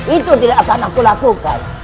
itu tidak akan aku lakukan